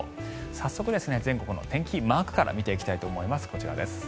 早速、全国の天気マークから見ていきたいと思います。